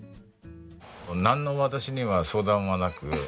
なんの私には相談もなく。